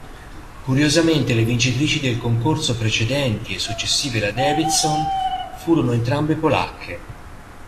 Curiosamente, le vincitrici del concorso precedenti e successive alla Davidson furono entrambe Polacche.